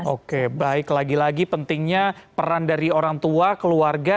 oke baik lagi lagi pentingnya peran dari orang tua keluarga